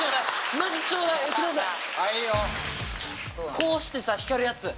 こうしてさ光るやつ！